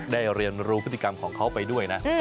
เรียนรู้พฤติกรรมของเขาไปด้วยนะ